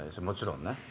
もちろんね。